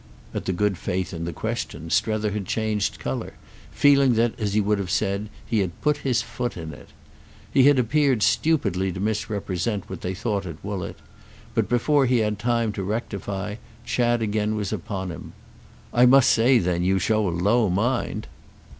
At the good faith in the question Strether had changed colour, feeling that, as he would have said, he had put his foot in it. He had appeared stupidly to misrepresent what they thought at Woollett; but before he had time to rectify Chad again was upon him. "I must say then you show a low mind!"